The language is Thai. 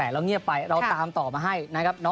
โด่งดังมาก